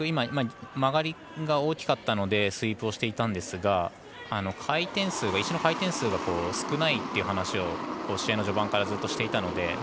曲がりが大きかったのでスイープをしていたんですが石の回転数が少ないという話を試合の序盤からずっとしていたので。